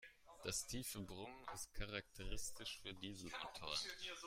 Das tiefe Brummen ist charakteristisch für Dieselmotoren.